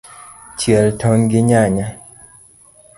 Chiel tong’ gi nyanya.